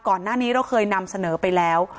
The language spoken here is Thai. ก่อนหน้านี้เราเคยนำเสนอไปแล้ว